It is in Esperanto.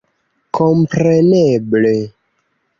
Kompreneble